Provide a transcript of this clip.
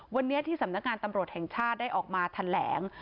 วันนี้ที่สำนักงานตำรวจแห่งชาติได้ออกมาแถลง